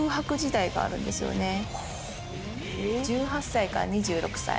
１８歳から２６歳。